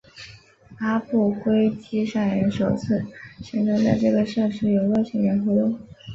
阿布奎基商人首次宣称在这个设施有外星人活动。